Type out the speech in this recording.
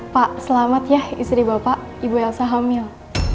pak selamat ya istri bapak ibu elsa hamil